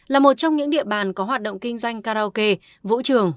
là một trong những địa bàn có hoạt động kinh doanh karaoke vũ trường